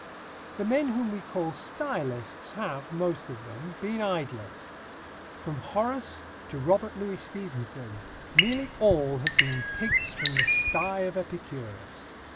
The men whom we call stylists have, most of them, been idlers. From Horace to Robert Louis Stevenson, nearly all have been pigs from the sty of Epicurus.